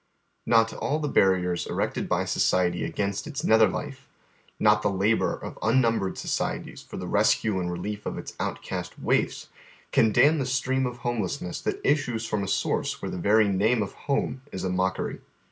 "VTOT all the barriers erected by ^' nether life, not the labor of unnumbered societies for the I'eseue and relief of its outcast waifs, can dam the Btreaiii of honjelessness that issues from a source whei'e the very name of home is a mockery.